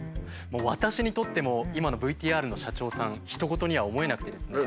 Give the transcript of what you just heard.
私にとっても今のＶＴＲの社長さんひと事には思えなくてですね。